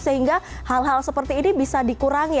sehingga hal hal seperti ini bisa dikurangi